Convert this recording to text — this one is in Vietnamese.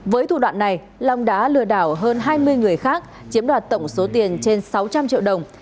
với thủ đoạn này long đã lừa đảo hơn hai mươi người khác chiếm đoạt tổng số tiền trên sáu trăm linh triệu đồng